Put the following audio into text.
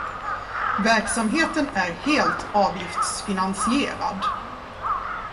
Verksamheten är helt avgiftsfinansierad.